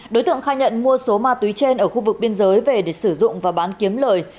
đối tượng khai nhận mua số ma túy trên ở khu vực biên giới về để sử dụng và bán kiếm lời